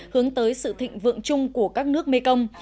hướng tới sự thịnh vượng chung của các nước mekong